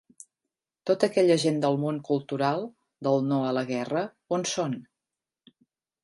Tota aquella gent del món cultural, del “No a la guerra”, on són?